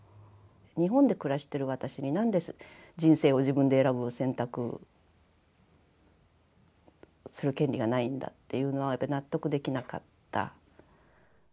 日本で暮らしてる私になんで人生を自分で選ぶ選択する権利がないんだっていうのは納得できなかった。